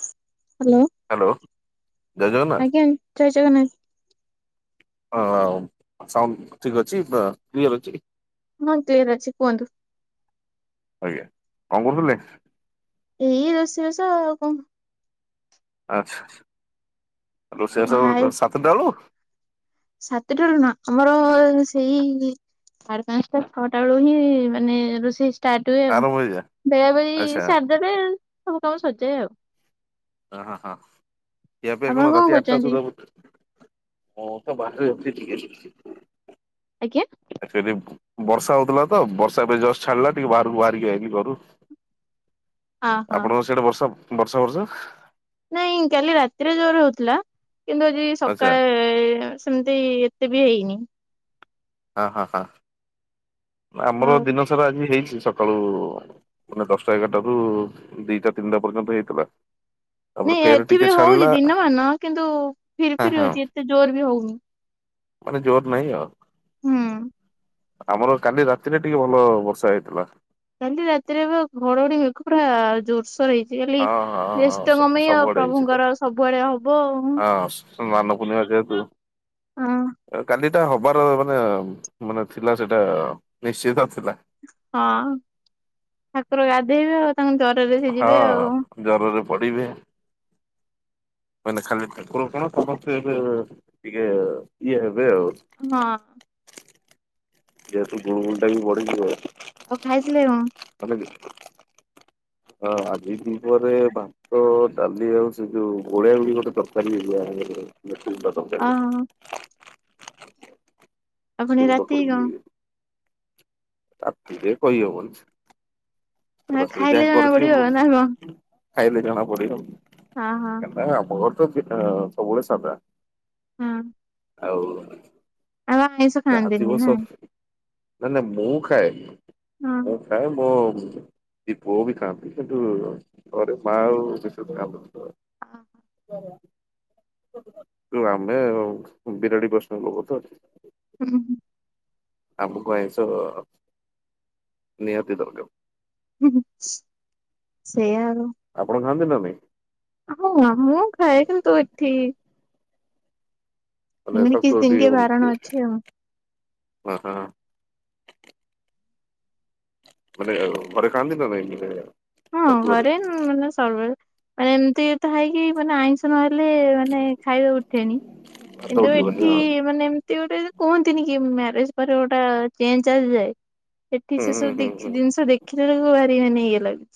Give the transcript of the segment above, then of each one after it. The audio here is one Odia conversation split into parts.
ହ୍ୟାଲୋ ହ୍ୟାଲୋ ଜୟ ଜଗନ୍ନାଥ ଆଜ୍ଞା ଜୟ ଜଗନ୍ନାଥ। ହ ସାଉଣ୍ଡ ଠିକ୍ ଅଛି କ୍ଲିୟର ଅଛି। ହଁ କ୍ଲିୟର ଅଛି କୁହନ୍ତୁ? ଆଜ୍ଞା କଣ କରୁଥିଲେ? ଏଇ ରୋଷେଇ ବାସ ଆଉ କଣ? ଆଚ୍ଛା ରୋଷେଇ ଆଉ କଣ ବାସ ହାଇ ହୋ ସାତଟା ବେଳୁ? ସାତଟାରୁ ନା ଆମର ସେଇ ସାରେ ପାଞ୍ଚଟା ଛଅଟା ବେଳୁ ହିଁ ମାନେ ରୋଷେଇ ସ ଷ୍ଟଟ ହୁଏ ଆଉ ଆରମ୍ଭ ହେଇଯାଏ ବେଗା ବେଗି ଆଚ୍ଛା। ସାରଦେବେ ସବୁ କାମ ସରିଯାଏ ଆଉ। ହଁ ହଁ ଖିଆ ପିଆ ଆପଣ କଣ ରାତି ଆଠଟା କରୁଛନ୍ତି ସୁଧା ରୋ ହଁ ତ ବାହରେ ଏମିତି ଟିକେ ଆଜ୍ଞା। ଆକ୍ଚୁଆଲି ବର୍ଷା ହଉଥିଲା ତ ବର୍ଷା ଏବେ ଜଷ୍ଟ ଛାଡ଼ିଲା ଟିକେ ବାହାରକୁ ବାହାରିକି ଆଇଲି ଘରୁ। ହଁ ହଁ ଆପଣଙ୍କ ସିଆଡ଼େ ବର୍ଷା ବର୍ଷା ବର୍ଷା। ନାଇଁ କାଲି ରାତିରେ ଜୋର ହଉଥିଲା କିନ୍ତୁ ଆଜି ଆଚ୍ଛା ସକାଳେ ସେମତି ଏତେ ବି ହେଇନି। ହଁ ହଁ ହଁ ଆମର ଆଉ ଦିନ ସାରା ଆଜି ହେଇଛି ସକାଳୁ ମାନେ ଦଶଟା ଏଗାରଟ ରୁ ଦିଟା ତିନିଟା ପର୍ଯ୍ୟନ୍ତ ହେଇଥିଲା। ତାପରେ ନାଇଁ ଫେର ଏଠି ଟିକେ ବି ହଉଛି ଛାଡିଲା ଦିନମାନ କିନ୍ତୁ ଫିରି ହଁ ଫିରି ହଁ ହଉଛି ଏତେ ଜୋର ବି ହଉନି। ମାନେ ଜୋର ନାହିଁ ଆଉ। ହୁଁ। ଆମର କାଲି ରାତିରେ ଟିକେ ଭଲ ବର୍ଷା ହେଇଥିଲା। କାଲି ରାତିରେ ଏବେ ଘଡଘଡି ହେକି ପୁରା ଜୋରସୋର ହେଇଛି। ଜି ଆଲି ହଁ ହଁ ହଁ ଜେଷ୍ଠଙ୍କମ ଆ ସବୁଆଡେ ହେଇଛି ତ। ପ୍ରଭୁଙ୍କର ସବୁଆଡେ ହବ ଆଉ। ହଁ ସ୍ ମାନ ପୁନିମା ଯେହତୁ ହଁ। କାଲି ସେଟା ହବାର ମାନେ ମାନେ ଥିଲା ସେଟା ନିଶ୍ଚିତ ଥିଲା। ହଁ ଠାକୁର ଗାଧେଇବେ ଆଉ ତାଙ୍କୁ ଜର ହଁ ଜରରେ ପଡିବେ। ମାନେ ଖାଲି ଠାକୁର କଣ ସମସ୍ତେ ଏବେ ଟିକେ ଇଏ ହେବେ ଆଉ। ହଁ। ଯେତୁ ଗୁଣ ଗୁଲଟା ବି ବଢିଯିବ। ଆଉ ଖାଇଥିଲେ କଣ। ତମେ ବି। ହଁ ଆଜି ଦି ପରେ ଭା ତ ଡାଲି ଆଉ ସେ ଯୋଉ ଗୋଳିଆ ଗୋଳି ଗୋଟେ ତରକାରୀ ହେଇଥିଲା [unintelligible] ତରକାରୀ। ଓହୋ ଆଉ ପୁଣି ରାତି କଣ। ତା କହି ହବନି। ରେ ଖାଇଲେ ଯାହା ଜଣା ପଡିବ କରିଥିବ ନା କଣ? ଖାଇଲେ ଜଣା ପଡିବ। ହଁ ହଁ। ନାଁ ଆମ ଘର ତ ସବୁବେଳେ ସାଦା। ହଁ। ଆଉ। ଆମ ମିସ୍। ଯାହାଥିବ ସବୁ ହେନେ ମୁଁ ଖାଏ। ହଁ। ମୁଁ ଖାଏ ମୋ ସେ ପୁଅ ବି ଖାଆନ୍ତି କିନ୍ତୁ ଘରେ ମା ଆଉ ସେ ସ ଆମେ ବିରାଡି ପ୍ରସନ ଲୋକ ତ ଅ। ହୁଁ ହଁ। ଆମକୁ ଆଇଁଷ ନିହାତି ଦରକାର। ସେଇୟାଉ। ଆପଣ ଖାଆନ୍ତି ନା ନାଇଁ। ହଁ ମୁଁ ଖାଏ କିନ୍ତୁ ଏଠି ମେ ଏମିତି ସ କିଛି ଦିନ ଟିକେ ବାରଣ [unintelligible] ଅଛି ଆଉ। ହ ହଁ। ମାନେ ଘରେ ଖାଆନ୍ତି ନା ନାଇଁ ମାନେ ହଁ ଘରେ ମାନେ ସବବେଳେ ମାନେ ଏମିତି ତା ହେଇକି ମାନେ ଆଇ ନହେଲେ ମାନେ ଖାଇବାକୁ ଉଠେଣି ଭାତ କିନ୍ତୁ ଉଠିବନି ଏଠି ହଁ ମାନେ ସେ ଗୋଟେ କୁହନ୍ତିନି କି ମ୍ୟାରେଜ ପରେ ଗୋଟେ ଚେଞ୍ଜ ଆସିଯାଏ। ଏଠି ହୁଁ ସେ ହୁଁ ସବୁ ହୁଁ ହୁଁ ଦେଖି ଜିନିଷ ଦେଖିଲେ ବେଳକୁ ଭାରି ମାନେ ଇଆ ଲାଗୁଛି।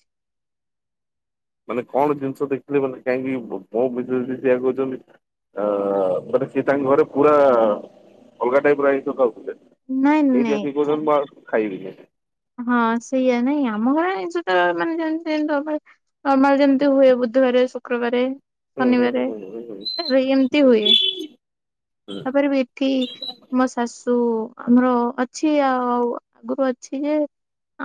ମାନେ କଣ ଜିନିଷ ଦେଖିଲେ ମାନେ କାହିଁକି ମୋ ବିଶୟ ରେ ବି କହୁଛନ୍ତି। ଅ ମାନେ ସିଏ ତାଙ୍କ ଘରେ ପୁରା ଅଲଗା ଟାଇପ୍ର ଆଇଁଷ ଖାଉଥିଲେ। ନାଇଁ ଏଇଠି ଅଶିକି ନାଇଁ କହୁଛନ୍ତି ମୁଁ ଆଉ ଖାଇବିନୀ। ହଁ ସେଇଆ ନାଇଁ ଆମ ଘର ଏଞ୍ଚି ତ ମାନେ ଯେମିତି [unintelligible] ନର୍ମାଲ ଯେମିତି ହୁଏ ବୁଧବାର, ଶୁକ୍ରବାରେ ହୁଁ ହୁଁ ଶନିବାର ହୁଁ ହୁଁ ହୁଁ ହୁଁ। ଏ ଏମିତି ହୁଏ ତାପରେ ବି କି ମୋ ଶାଶୁ ଆମର ଅଛି ଆଉ ଆଗରୁ ଅଛି ଯେ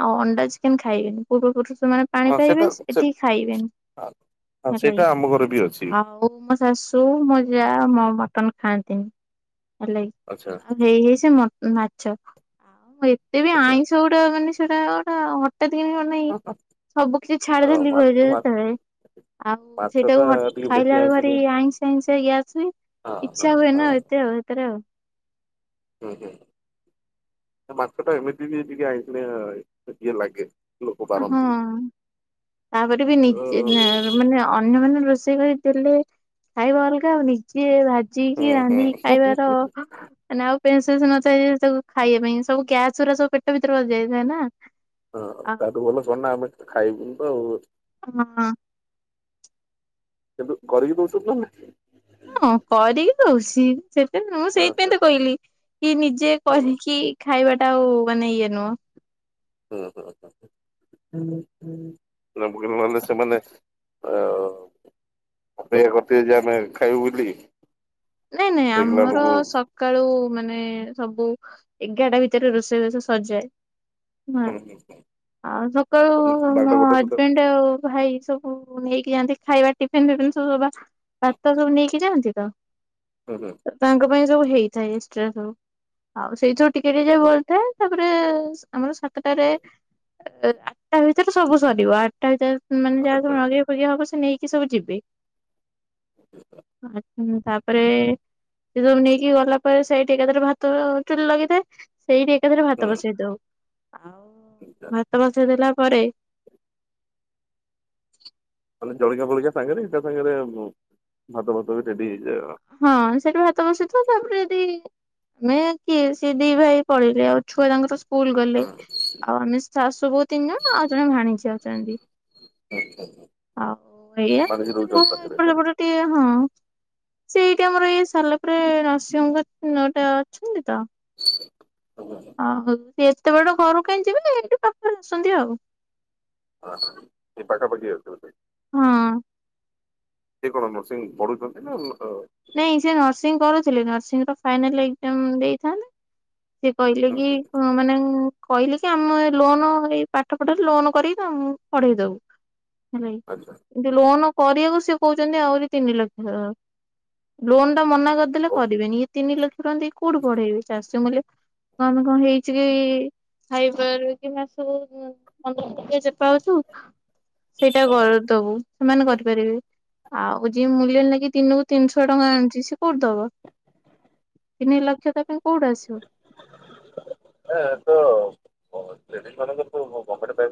ଆଉ ଅଣ୍ଡା, ଚିକେନ୍ ଖାଇବେନି ପୂର୍ବ ପୁରୁଷ ମାନେ ପାଣି ହଁ ପାଇବେ। ସେଇଟା ସେ ଏଟି ହଁ ଖାଇବେନି ହେଲାକି ସେଇଟା ଆମ ଘରେ ବି ଅଛି ଆଉ ଶାଶୁ ମୋ ଯାଆ ମଁ ମଟନ ଖାଆନ୍ତିନି। ହେଲାକି ଆଚ୍ଛା ଆଉ ହେଇ ହେଇ ସେ ମ ମାଛ ଆଉ ମୁଁ ଏତେ ବି ଆଚ୍ଛା। ଆଇଁଷ ସେ ଗଟ ମାନେ ସେଟା ଗୋଟା ହଠାତ୍ କିନୀ ନାଇଁ ସବୁ କିଛି ହଁ ଛାଡ଼ିଦେଲି ମା [unintelligible] ମା ଯେତେବେଳେ ଆଉ ମାଛଟା ସେଇଟାକୁ ହଟ୍ ଟିକେ ବେଶୀ ଖାଇଲା ବେଳୁ ଭାରି ଆଇଁଷିଣିଆ ଆଇଁସିଆ ଆଇଁଶିଆ ଗ୍ୟାସ ହୁଏ। ହଁ ହଁ ଈଚ୍ଛା ହୁଏନି ହଁ ନା ଏତେ ଆଉ ହେଥିରେ ଆଉ। ହୁଁ ହୁଁ ମାଛଟା ଏମିତି ବି ଟିକେ ଆଇଁଷିଆ ଟିକେ ଲାଗେ। ଲୋକ ହୁଁ ବାରନ୍ତି। ତାପରେ ବି ଅ ନିଜେ ଜା ମାନେ ଅନ୍ୟ ମାନେ ରୋଷେଇ କରି ଦେଲେ ଖାଇବା ଅଲଗା ଆଉ ନିଜେ ଭା ଯି କିି ହୁଁ ହୁଁ ରାନ୍ଧିକି ହୁଁ ଖାଇବାର ମାନ ଆଉ ପେନ୍ସେନ୍ସ ନଥାଏ ସବୁ ଖାଇବା ପାଇଁ ସବୁ ଗ୍ୟାସ ଗୁୁରା ସବୁ ପେଟ ଭିତରେ ବସିଯାଏ ଥାଏ ନାଁ। ହଁ ତାଠୁ ଭଲ କଣ ନାଁ ଆମେ ଖାଇବୁନି ତ ଆଉ ହଁ। ଏବେ କରିକି ଦଉଛନ୍ତି ନା ନାଇଁ? ହଁ କରିକି ଦଉଛି ସେଥିପାଇଁ ମୁଁ ସେଇଥିପାଇଁ ହଁ ତ କହିଲି କି ନିଜେ ହଁ କରିକି ଖାଇବା ଟା ଆଉ ମାନେ ଇଏ ନୁହଁ। ହଁ ହଁ ହଁ ହଁଁ। [unintelligible] ସେ ମାନେ ଆ ଅପେକ୍ଷା କରିଥିବେ ଯାହେଲେ ଖାଇବୁ ବୋଲି। ନାଇଁ ନାଇଁ ଦେଖିଲା ଆମର ବେଳକୁ ସ ସକାଳୁ ମାନେ ସବୁ ଏଗାରଟା ଭିତରେ ରୋଷେଇ ବାସ ସରିଯାଏ। ହୁଁ ଆଉ ସକାଳୁ ବାରଟା ମୋ ଗୋଟେ ସୁଦ୍ଧା ହଜବେଣ୍ଡ ଆଉ ଭାଇ ସବୁ ହ ନେଇକି ଯାଆନ୍ତି ଖାଇବା ଟିଫିନ ବିଫିନ ସବୁ ଭାତ ସବୁ ନେଇକି ଯାଆନ୍ତି ତ ହୁଁ ହୁଁ। ତାଙ୍କ ପାଇଁ ସବୁ ହେଇଥାଏ ଏକ୍ସଟ୍ରା ସବୁ। ଆଉ ସେଇଥିରୁ ଟିକେ ଟିକେ ଯାହା ବଳିଥାଏ ତା ତାପରେ ଆମର ସାତଟାରେ ଆଠଟା ଭିତରେ ସବୁ ସରିବ ଆଠଟା ଭିତରେ ମାନେ ଯାହା ଆଚ୍ଛା ସବୁ ନଗେଇ ଫଗେଇ ହବ। ସେ ନେଇକି ସବୁ ଯିବେ ତାପରେ ସେ ସବୁ ନେଇକି ଗଲା ପରେ ସେଇଠି ଏକାଥରେ ଭାତ ଚୁଲି ଲାଗିଥାଏ। ସେଇଠି ଏକାଥରେ ହୁଁ ଭାତ ବସେଇ ଦଉ ଭାତ ବସେଇ ଦେଲା ପରେ ମାନେ ଜଳିଖିଆ ଫଳିଖିଆ ସାଙ୍ଗେରେ ଏଇଟା ସାଙ୍ଗରେ ଭାତ ଭାତ ବି ରେଡି ହେଇଯାଏ ଆଉ। ହଁ ସେଠି ଭାତ ବସିଥିବ ତାପରେ ଯଦି ଆମେ କିଏ ସେ ଦି ଭାଇ ପଳେଇବେ। ଆଉ ଛୁଆ ତାଙ୍କର ସ୍କୁଲ ଗଲେ ଆଉ ଆମେ ଶାଶୁ, ବୋଉ ତିନି ଜଣ ଆଉ ଜଣେ ଭାଣିଜୀ ଅଛନ୍ତି। ଆଉ ଏଇଆ ମାନିକି ରହୁଛନ୍ତି ମୁଁ ପାଖରେ ଏପଟେ ନାଇଁ? ସେପଟ ଟିକେ। ହୁଁ ସେ ଏଇଠି ଆମର ଏଇ ସାରିଲା ପରେ ନରସିଂହଙ୍କଟେ ଅଛନ୍ତି ତ ଓ ଓ ହଉ ଏତେ ବାଟ ଘରକୁ କାହିଁ ଯିବେ ନା ଏଇଠି ପାଖରେ ଆସନ୍ତି ଆଉ। ହଁ ହ ଏ ପାଖାପାଖି ଅଛିନ୍ତି। ହଁ। ସେ କଣ ନରସିଂ ପଢୁଛନ୍ତି ନା ନାଇଁ ସେ ନର୍ସିଂ କରୁଥିଲେ ନର୍ସିଂ ର ଫାଇନାଲ ଏକ୍ଜାମ ଦେଇଥାନ୍ତେ। ସେ କହିଲେ କି ମାନେ କହିଲେ କି ଆମେ ଲୋନ ଏଇ ପାଠ ପଢାରେ ଲୋନ କରିକି ଆମ ପଢେଇ ଦବୁ ନାଇଁ ଆଛା। ଯୋ ଲୋନ୍ କରିବାକୁ ସେ କହୁଛନ୍ତି ଆହୁରି ତିନି ଲକ୍ଷ ଲୋନ ଟା ମନା କରିଦେଲେ ହଉ। କରିବେନି ଇଏ ତିନି ଲକ୍ଷ ଟନ୍ତି କୋଉଠି ପଢେଇବେ ଚାଷୀ ମୁଲିଆ। କଣ କଣ ହେଇଛି କି ଖାଇପାର କି ମାସ ପନ୍ଦର ଦ [unintelligible] ପାଉଛୁ ସେଇଟା ଦବୁ ସେମାନେ କରିପାରିବେ। ଆଉ ଯିଏ ମୂଲ୍ୟ ଲାଗି ଦିନକୁ ତିନିଶହ ଟଙ୍କା ଆଣୁଛି ସେ କୋଉଠୁ ଦବ। ତିନି ଲକ୍ଷ ତା ପାଇଁ କୋଉଠୁ ଆସିବ। ଏ ତ ଲେଡିଜ୍‌ ମାନଙ୍କର ତ କମ୍ପାନି ପେ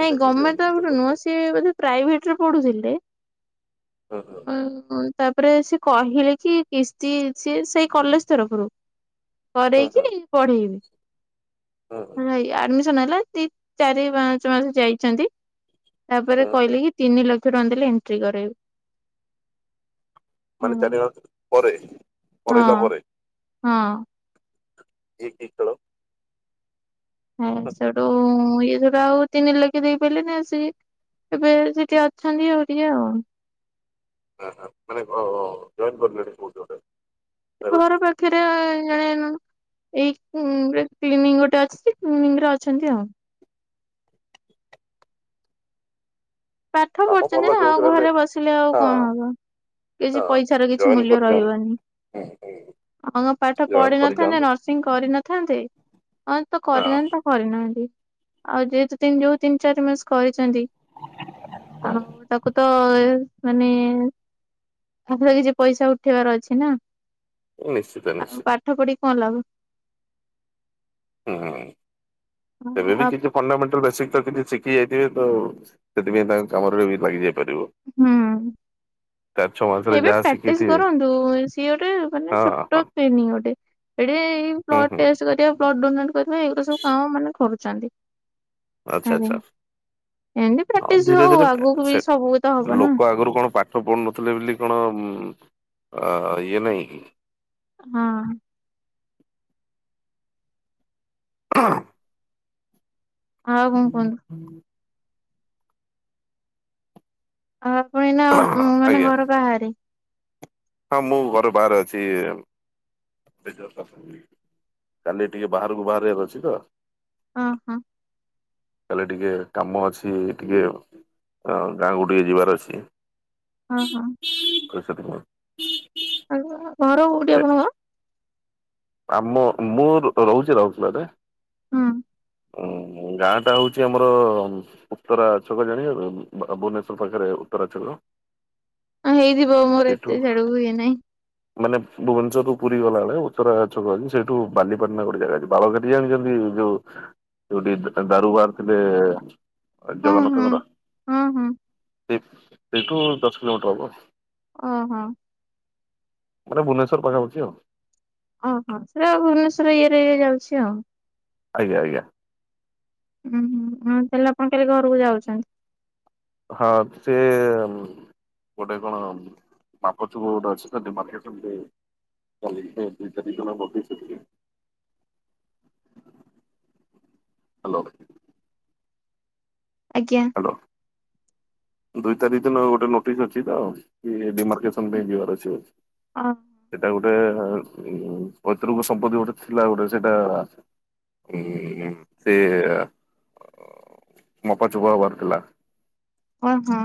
ନାଇଁ ଗମେଣ୍ଟର ହୁଁ ତ ହୁଁ ନୁହଁ ସିଏ ବୋଧେ ପ୍ରାଇଭେଟ ରେ ପଢୁଥିଲେ। ହୁଁ ହୁଁ ତାପରେ ସେ କହିଲେ କି କିସ୍ତି ସେ ସେଇ କଲେଜ ତରଫରୁ କରରେଇକି ପଢେଇବି। ହଁ। ନାଇଁ ଆଡମିସନ ହେଲା ସି ଚାରି ପାଞ୍ଚ ମାସ ଯାଇଚନ୍ତି। ତାପରେ ହୁଁ ହୁଁ। କହିଲେ କି ତିନି ଲକ୍ଷ ଟଙ୍କା ଦେଲେ ଏଣ୍ଟ୍ରି କରେଇବି। ମାନେ ହଁ ଚାରିମାସ ପରେ ପେଢେଇଲା ହଁ ପରେ। ହଁ। ଇକି ଖେଳ। ହୁଁ ସେଠୁ ଇଏ ଯୋଉଟା ଆଉ ତିନି ଲକ୍ଷ ଦେଇପାରିଲେ ନା ସେ ଏବେ ସେ ଟିକେ ଅଛନ୍ତି ଆଉ ଟିକେ ଆଉ ହାଁ ହାଁ ମାନେ ଅ ଅ ଜଏନ୍‌ କରଲେଣି କୋଉଟି ଗୋଟେ। ପ୍ରାଇଭେଟ ଘର ପାଖରେ ଆ ଜଣେ ନୁହଁ। ଏଇ ନିରେ କ୍ଲିନିକ ଗୋଟେ ଅଛି କ୍ଲିନିକରେ ଅଛନ୍ତି ଆଉ। ପାଠ କାମ ଭଲ ପଢିଚନ୍ତି ନା ଆଉ ଯୋଉଥିରେ ହେଲେ ଘରେ ବସିଲେ ଆଉ ହଁ କଣ ହବ। କିଛି ହଁ ପଇସାର କିଛି ଜଏନ୍ ମୂଲ୍ୟ କରିଯାଆନ୍ତୁ ରହିବନି। ହ ଆମ ପାଠ ଜଏନ୍ ପଢିିନଥାନ୍ତେ କରିଯାଆନ୍ତୁ ନର୍ସିଂ କରିନଥାନ୍ତେ ହଁ ତ ହଁ କରିନାହାନ୍ତି ତ କରିନାହାନ୍ତି ଆଉ ଯେହେତୁ ତିନି ଯୋଉ ତିନି ଚାରି ମାସ କରିଚନ୍ତି ଆଉ ତାକୁ ତ ଏ ମାନେ ପାଖରେ ଏଇ ଯୋ ପଇସା ଉଠେଇବାର ଅଛି ନା। ନିଶ୍ଚିତ ଆଉ ନିଶ୍ଚିତ। ପାଠ ପଢି କଣ ଲାଭ। ହୁଁ ଏବେ ଆଉ ବି କିଛି ଫଣ୍ଡାମେଣ୍ଟାଲ ବେସିକ ତ କିଛି ଶିଖି ଯାଇଥିବେ ତ ସେଥିପାଇଁ ତାଙ୍କ କାମରେ ବି ଲାଗିଯାଇପାରିବ। ହୁଁ। ମାସରେ ଏବେ ଯାହା ପ୍ରାକ୍ଟିସ ଶିଖିଥିବେ କରନ୍ତୁ ସିଏ ଗୋଟେ ମାନେ ହଁ ଛୋଟ ହଁ କ୍ଲିନିକ ଗୋଟେ। ଏଠି ହୁଁ ବ୍ଲଡ ହୁଁ ଟେଷ୍ଟ କରିବା ବ୍ଲଡ ଡୋନେଟ୍ କରିବା ଏଉଡା ସବୁ କାମ ମାନେ କରୁଚନ୍ତି। ଆଚ୍ଛା ଆଚ୍ଛା। ହଁ ପ୍ରାକ୍ଟିସ ଧୀରେ ହଉ ଧୀରେ ଆଗକୁ ବି ସେ ସବୁ ତ ହବ ନା ଲୋକ ଆଗରୁ କଣ ପା ପାଠ ପଢୁ ନଥିଲେ ବୋଲି କଣ ଇଏ ନାହିଁ କି। ହଁ। ହଁ। ଆଉ କଣ ହୁଁ କୁହନ୍ତୁ ହୁଁ। ଆଉ ପୁଣି ନା ମାନେ ଘର ବାହାରେ। ହଁ ମୁଁ ଘରୁ ବାହାରେ ଅଛି ଏ ଜଷ୍ଟ ଆସିଲି। କାଲି ଟିକେ ବାହାରକୁ ବାହାରିବାର ଅଛି ତ। ଉଁ ହୁଁ। କାଲି ଟିକେ କାମ ଅଛି ଟିକେ ଗାଁକୁ ଟିକେ ଯିବାର ଅଛି। ଓହୋ। ପ୍ର [unintelligible] ଆପଣ ଘର କୋଉଠି ଆପଣଙ୍କର। ଆମ ମୁଁ ରହୁଛି ରାଉରକେଲା ରେ। ହୁଁ। ଉଁ ମୁ ଗାଁ ଟା ହଉଛି ଆମର ଉତ୍ତରା ଛକ ଜାଣିଚ ତ ଭୁବନେଶ୍ଵର ପାଖରେ ଉତ୍ତରା ଛକ। ଆ, ହେଇଥିବ ମୋର ସେଇଠୁ ଏତେ ସିଆଡକୁ ଇଏ ନାହିଁ। ମାନେ ଭୁବନେଶ୍ୱର ରୁ ପୁରୀ ଗଲା ବେଳେ। ଉତରା ଛକ ଅଛି ସେଇଠୁ ବାଲିପାଟଣା ଗୋଟେ ଜାଗା ଅଛି ବାଳକାଟି ଜାଣିଛନ୍ତି ଯୋଉ ଯୋଉଠି ଦାରୁବାହାରି ଥିଲେ ହଁ ହଁ। ଜଗନ୍ନାଥଙ୍କର ହଁ ହଁ ସେ ସେଇଠୁ ଦଶ କିଲୋମିଟର ହବ। ଅଁ ହଁ। ମାନେ ଭୁନେଶ୍ୱର ପାଖାପାଖି ଆଉ। ଓହୋ ସେଇଟା ଭୁବନେଶ୍ୱର ଇଏ ରେ ଇ ଯାଉଛି ଆଉ। ଆଜ୍ଞା ଆଜ୍ଞା। ଉୁଁ ହୁଁ ହୁଁ ତାହେଲେ ଆପଣ କାଲି ଘରକୁ ଯାଉଛନ୍ତି। ହଁ ସେ ଗୋଟେ କଣ ମାପଚୁପ୍ ଗୋଟେ ଅଛି ତ ଟି ମାପଚୁପ କୁ [unintelligible] ହ୍ୟାଲୋ। ଆଜ୍ଞା। ଲୋ। ଦୁଇ ତାରିଖ ଦିନ ଗୋଟେ ନୋଟିସ ଅଛି ତ ଡିମାର୍କସନ ପାଇଁ ଯିବାର ଅଛି। ଅ ସେଟା ଗୋଟେ ପୈତୃକ ସମ୍ପତ୍ତି ଗୋଟେ ଥିଲା ଗୋଟେ ସେଟା ଏ ଏମ୍ ତି ମପାଚୁପ ହବାର ଥିଲା। ଉୁଁ ହୁଁ।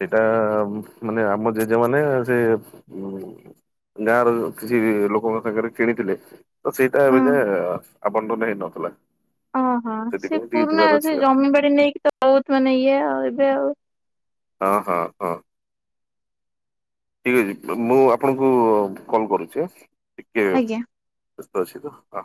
ସେଇଟା ମାନେ ଆମ ଜେଜେ ମାନେ ସେ ଗାଁ ର କିଛି ଲୋକଙ୍କ ସାଙ୍ଗରେ କିଣିଥିଲେ ତ ସେଇଟା ଏବେ ହଁ ଯେ ଆବଣ୍ଟନ ହେଇନଥିଲା। ଓହୋ ସେ ସେଥିପାଇଁ ଟିକେ ପୁରୁଣା ଯିବାର ଏ ଅଛି ସେ ଆଉ ଜମିିବାଡି ନେଇକି ତ ବହୁତ ମାନେ ଇଏ ଆଉ ଏବେ ଆଉ ହଁ ହଁ ହଁ। ଠିକ୍ ଅଛି ମୁଁ ଆପଣଙ୍କୁ କଲ୍ କରୁଛି ଟିକେ ଆଜ୍ଞା। ବ୍ୟସ୍ତ ଅଛି ତ ହଁ।